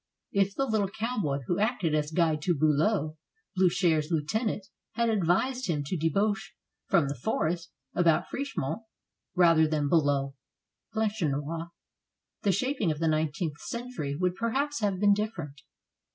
If the little cowboy, who acted as guide to Biilow, Bliicher's lieutenant, had advised him to debouch from the forest about Frischemont rather than below Planche noit, the shaping of the nineteenth century would per haps have been different.